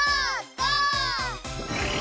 ゴー！